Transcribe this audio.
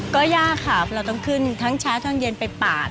ก็ยากครับเราต้องขึ้นทั้งเช้าทั้งเย็นไปปาด